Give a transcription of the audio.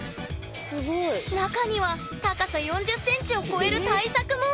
中には高さ４０ｃｍを超える大作も！